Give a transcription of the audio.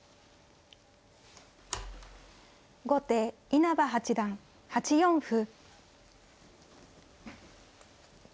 後手稲葉八段８四歩。